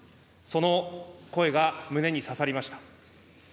その声が胸に刺さりました。